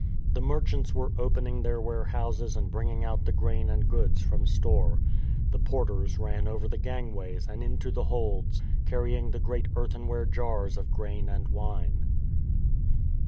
The merchants were opening their warehouses and bringing out the grain and goods from store. The porters ran over the gangways and into the holds, carrying the great earthenware jars of grain and wine.